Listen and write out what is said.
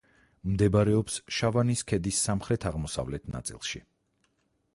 მდებარეობს შავანის ქედის სამხრეთ-აღმოსავლეთ ნაწილში.